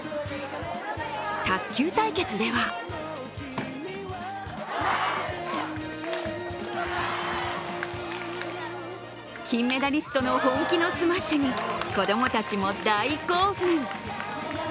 卓球対決では金メダリストの本気のスマッシュに子供たちも大興奮。